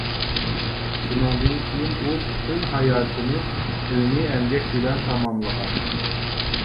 شۇنىڭدىن كىيىن ئۇ پۈتۈن ھاياتىنى ئىلمى ئەمگەك بىلەن تاماملىغان.